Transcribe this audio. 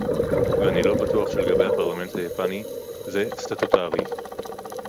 ואני לא בטוח שלגבי הפרלמנט היפני זה סטטוטורי